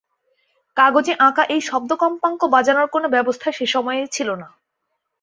কাগজে আঁকা এই শব্দ-কম্পাঙ্ক বাজানোর কোনো ব্যবস্থা সে সময়ে ছিল না।